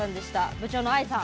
部長のあいさん